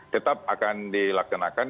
tetap akan dilaksanakan